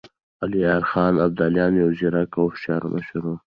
الهيار خان د ابدالیانو يو ځيرک او هوښیار مشر و.